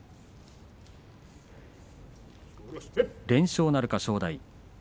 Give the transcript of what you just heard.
連勝なるか正代。